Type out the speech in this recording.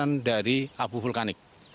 lancarnya tim t diligent